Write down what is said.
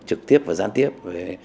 trực tiếp và gian tiếp về